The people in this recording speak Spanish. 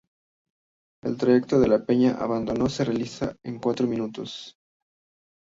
El trayecto La Peña-Abando se realiza en cuatro minutos.